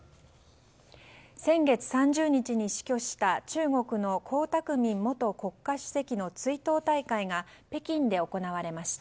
先月３０日に死去した中国の江沢民元国家主席の追悼大会が北京で行われました。